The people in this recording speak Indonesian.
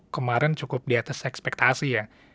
kemarin cukup di atas ekspektasi ya